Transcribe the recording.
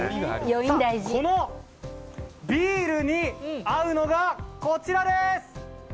このビールに合うのがこちらです！